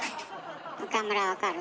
岡村分かる？